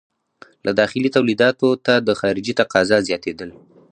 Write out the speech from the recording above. له داخلي تولیداتو ته د خارجې تقاضا زیاتېدل.